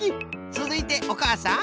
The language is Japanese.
つづいておかあさん。